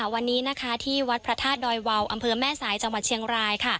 วันนี้ที่วัดพระธาตุดอยวาวอำเภอแม่สายจังหวัดเชียงราย